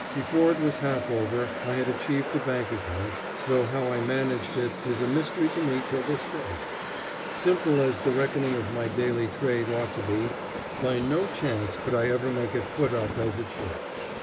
Before it was half over I had achieved a bank account, though how I managed it is a mystery to me till this day. Simple as the reckoning of my daily trade ought to be, by no chance could I ever make it foot up as it should.